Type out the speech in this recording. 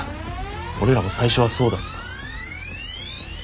俺らも最初はそうだった。